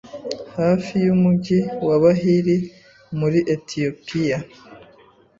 hafi y'umujyi wa Bahiri muri Etiyopiya